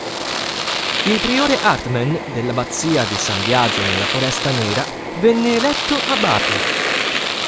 Il Priore Hartmann dell'Abbazia di San Biagio nella Foresta Nera venne eletto abate.